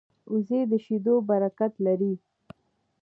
وزې د شیدو برکت لري